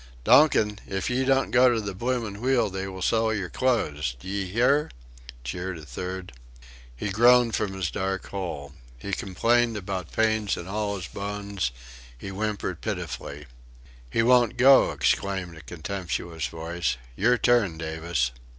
"Donkin, if ye don't go to the bloomin' wheel they will sell your clothes d'ye hear?" jeered a third. He groaned from his dark hole. He complained about pains in all his bones, he whimpered pitifully. "He won't go," exclaimed a contemptuous voice, "your turn, Davis."